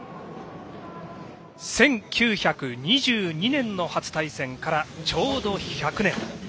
１９２２年の初対戦からちょうど１００年。